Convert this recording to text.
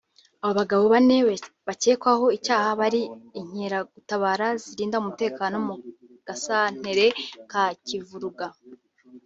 Abo bagabo bane bakekwaho icyaha bari inkeragutabara zirinda umutekano mu gasantere ka Kivuruga